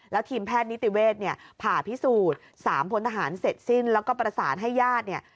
แล้วทีมแพทย์นิติเวทผ่าพิสูจน์๓พนธาหารเสร็จสิ้นแล้วก็ประสานให้ญาติ